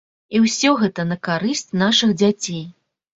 І ўсё гэта на карысць нашых дзяцей.